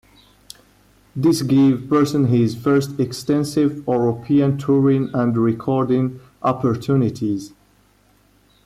This gave Person his first extensive European touring and recording opportunities.